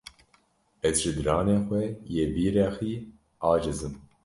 Ez ji diranê xwe yê vî rexî aciz im.